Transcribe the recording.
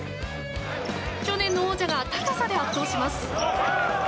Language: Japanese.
去年の王者が高さで圧倒します。